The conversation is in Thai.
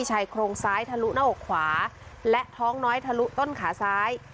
ชายโครงซ้ายทะลุหน้าอกขวาและท้องน้อยทะลุต้นขาซ้าย